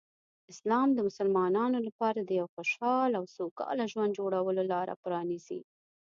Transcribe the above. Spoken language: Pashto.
اسلام د مسلمانانو لپاره د یو خوشحال او سوکاله ژوند جوړولو لاره پرانیزي.